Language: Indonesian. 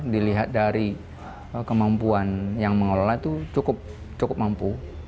dilihat dari kemampuan yang mengelola itu cukup mampu